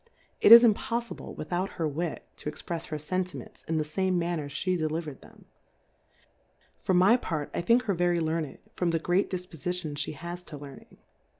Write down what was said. It is impolTible without her Wit, to exprefs her Senti ments, in the fame manner flie deli . verM them : For my part, I think her very Learned, from the great Difpofi tion ihe has to Learning.